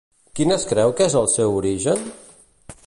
Quin es creu que és el seu origen?